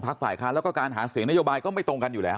ฝ่ายค้านแล้วก็การหาเสียงนโยบายก็ไม่ตรงกันอยู่แล้ว